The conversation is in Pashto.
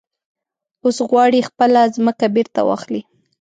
اوس غواړي خپله ځمکه بېرته واخلي.